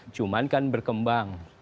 cuma kan berkembang